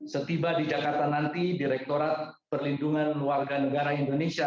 setiba di jakarta nanti direkturat perlindungan keluarga negara indonesia